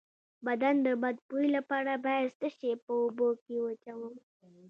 د بدن د بد بوی لپاره باید څه شی په اوبو کې واچوم؟